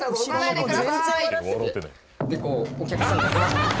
でこうお客さんが出ます